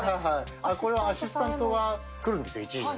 これはアシスタントが来るんですよ、１時に。